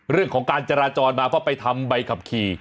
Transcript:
เรื่องของการจราจรมาเพราะไปทำใบขับขี่